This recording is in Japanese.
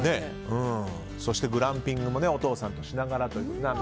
そしてグランピングもお父さんとしながら。